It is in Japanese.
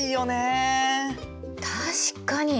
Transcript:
確かに。